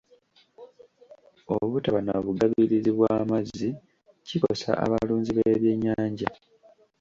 Obutaba na bugabirizi bw'amazzi kikosa abalunzi b'ebyennyanja.